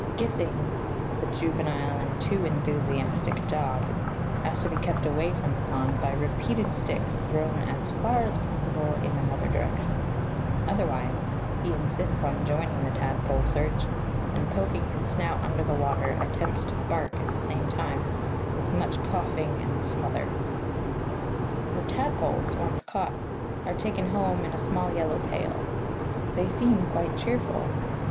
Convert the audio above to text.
Gissing (the juvenile and too enthusiastic dog) has to be kept away from the pond by repeated sticks thrown as far as possible in another direction; otherwise he insists on joining the tadpole search, and, poking his snout under water, attempts to bark at the same time, with much coughing and smother. The tadpoles, once caught, are taken home in a small yellow pail. They seem quite cheerful.